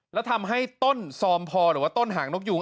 แล้วทำให้ต้นซอมพอหรือว่าต้นหางนกยูง